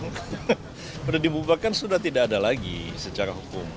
sudah dibubarkan sudah tidak ada lagi secara hukum